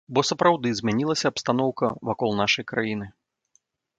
Бо сапраўды змянілася абстаноўка вакол нашай краіны.